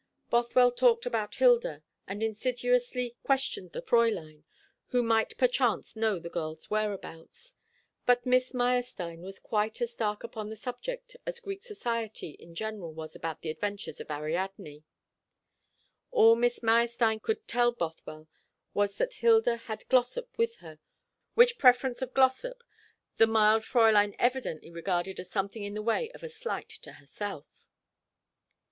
Bothwell talked about Hilda, and insidiously questioned the Fräulein, who might perchance know the girl's whereabouts. But Miss Meyerstein was quite as dark upon the subject as Greek society in general was about the adventures of Ariadne. All Miss Meyerstein could tell Bothwell was that Hilda had Glossop with her, which preference of Glossop the mild Fräulein evidently regarded as something in the way of a slight to herself.